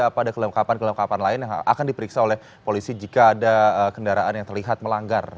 ada kelengkapan kelengkapan lain yang akan diperiksa oleh polisi jika ada kendaraan yang terlihat melanggar